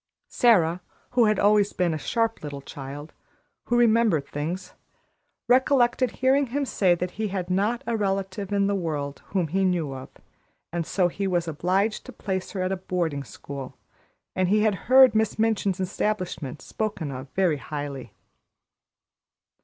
Sara, who had always been a sharp little child, who remembered things, recollected hearing him say that he had not a relative in the world whom he knew of, and so he was obliged to place her at a boarding school, and he had heard Miss Minchin's establishment spoken of very highly.